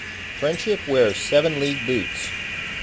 Friendship wears seven-league boots.